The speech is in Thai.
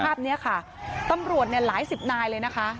ภาพนี้ค่ะตำรวจเนี่ยหลายสิบนายเลยนะคะ